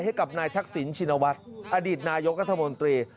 ให้กับนายทักศิลป์ชินวัตติอดีตนายกรรธมนตรี